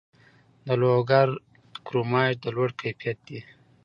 د لوګر کرومایټ د لوړ کیفیت دی